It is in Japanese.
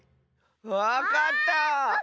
わかった！